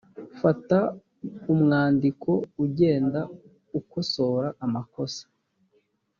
fata umwandiko ugenda ukosora amakosa.